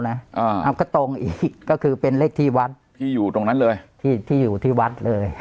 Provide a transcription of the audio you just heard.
เอาก็ตรงอีกก็คือเป็นเลขที่วัดที่อยู่ที่วัดเลย